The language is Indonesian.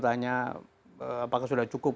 tanya apakah sudah cukup